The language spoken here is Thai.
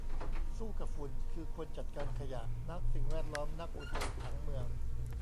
สู้กับฝุ่น คือคนจัดการขยะ นักสิ่งแวดล้อม นักอุตุ ผังเมือง